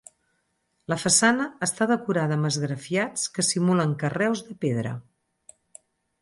La façana està decorada amb esgrafiats que simulen carreus de pedra.